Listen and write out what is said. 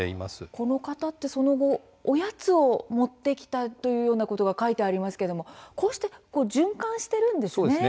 この方は、その後おやつを持ってきたということが書いてありますがこうして、循環しているんですね。